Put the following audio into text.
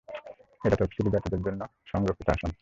এটি তফসিলী জাতিদের জন্য সংরক্ষিত আসন।